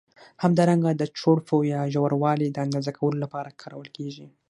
همدارنګه د چوړپو یا ژوروالي د اندازه کولو له پاره کارول کېږي.